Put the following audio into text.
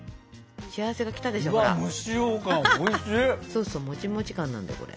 そうそうもちもち感なんだよこれ。